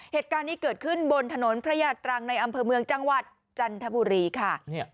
เหตุการณ์นี้เกิดขึ้นบนถนนพระยาตรังในอำเภอเมืองจังหวัดจันทบุรีค่ะ